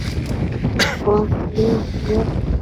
এটা ওয়ার্নিং, ভাইয়া।